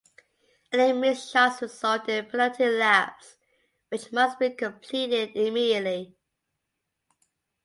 Any missed shots result in penalty laps which must be completed immediately.